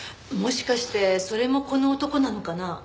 もしかしてそれもこの男なのかな？